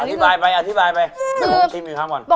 อธิบายไปอธิบายไปเดี๋ยวผมชิมอีกครั้งก่อน